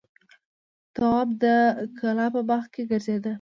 تواب د کلا په باغ کې ګرځېده.